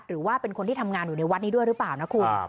หรือว่าเป็นคนที่ทำงานอยู่ในวัดนี้ด้วยหรือเปล่านะคุณ